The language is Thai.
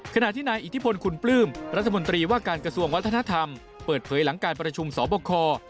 ขณะที่นายอิทธิพลคุณปลื้มรัฐมนตรีว่าการกระทรวงวัฒนธรรมเปิดเผยหลังการประชุมสอบคอ